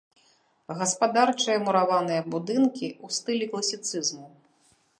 Гаспадарчыя мураваныя будынкі ў стылі класіцызму.